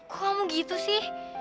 kok kamu gitu sih